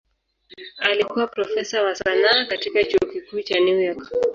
Alikuwa profesa wa sanaa katika Chuo Kikuu cha New York.